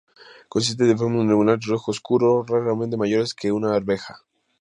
Consiste de fragmentos angulares rojo oscuro, raramente mayores que una arveja.